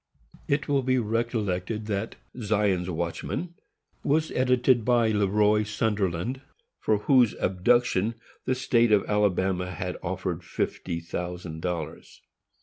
It will be recollected that Zion's Watchman was edited by Le Roy Sunderland, for whose abduction the State of Alabama had offered fifty thousand dollars.